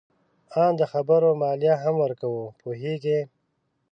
آن د خبرو مالیه هم ورکوو. پوهیږې؟